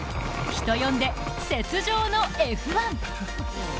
人呼んで雪上のＦ１。